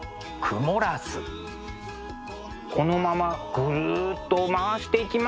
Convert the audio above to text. このままぐるっと回していきますと。